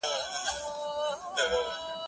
زه له سهاره تمرين کوم